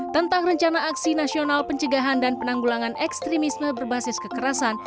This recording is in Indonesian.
tentang rencana aksi nasional pencegahan dan penanggulangan ekstremisme berbasis kekerasan